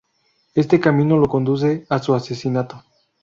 Este camino la conduce a su asesinato.